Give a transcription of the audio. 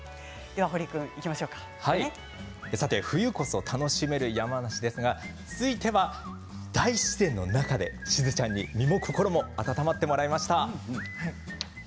冬こそ楽しめる山梨ですが続いては大自然の中でしずちゃんに身も心も温まってもらいました。